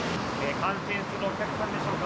観戦するお客さんでしょうか。